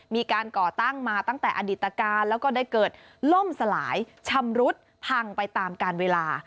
ก่อตั้งมาตั้งแต่อดิตการแล้วก็ได้เกิดล่มสลายชำรุดพังไปตามการเวลา